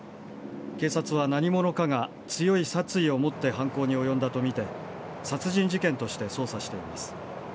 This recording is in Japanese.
警察は何者かが強い殺意を持って犯行に及んだとみて殺人事件として捜査しています。